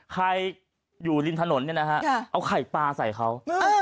ใครอยู่ริมถนนเนี่ยนะฮะเอาไข่ปลาใส่เขา